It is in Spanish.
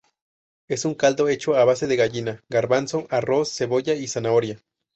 Es un caldo hecho a base de gallina, garbanzo, arroz, cebolla y zanahoria.